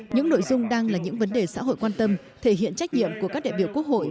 những nội dung đang là những vấn đề xã hội quan tâm thể hiện trách nhiệm của các đại biểu quốc hội